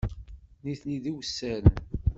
Nitni d iwessaren.